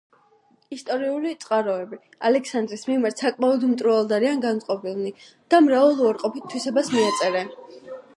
ისტორიული წყაროები ალექსანდრეს მიმართ საკმაოდ მტრულად არიან განწყობილნი და მრავალ უარყოფით თვისებას მიაწერენ.